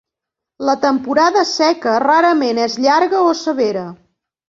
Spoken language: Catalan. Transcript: La temporada seca rarament és llarga o severa.